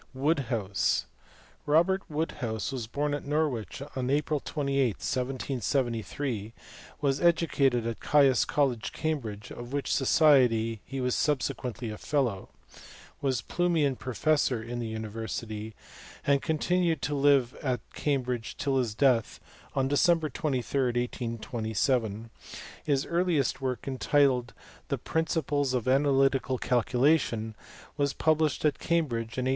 Woodhouse. Robert Woodhouse was born at Norwich on April 28, 1773; was educated at Caius College, Cambridge, of which society he was subsequently a fellow; was Plumian pro fessor in the university; and continued to live at Cambridge till his death on December 23, 1827. His earliest work, entitled the Principles of Analytical Calculation, was published at Cambridge in 1803.